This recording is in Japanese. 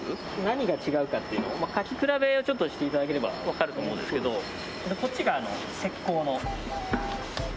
何が違うかっていうのを書き比べをして頂ければわかると思うんですけどこっちが石膏の。